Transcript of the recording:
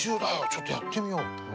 ちょっとやってみよう。